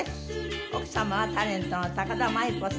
奥様はタレントの田万由子さん。